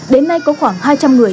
đến nay có khoảng hai trăm linh người